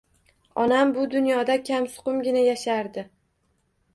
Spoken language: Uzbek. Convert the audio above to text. Onam bu dunyoda kamsuqumgina yashardi.